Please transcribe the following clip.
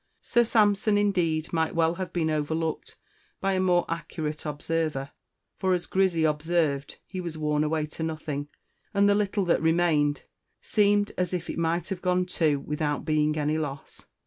Sir Sampson, indeed, might well have been overlooked by a more accurate observer; for, as Grizzy observed, he was worn away to nothing, and the little that remained seemed as if it might have gone too without being any loss.